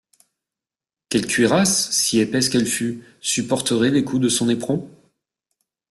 Quelle cuirasse, si épaisse qu’elle fût, supporterait les coups de son éperon?